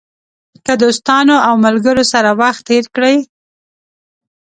که دوستانو او ملګرو سره وخت تېر کړئ.